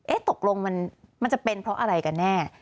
ตกลงมันจะเป็นเพราะอะไรกันแน่